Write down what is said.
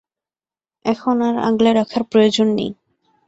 এখন আর আগলে রাখার প্রয়োজন নেই।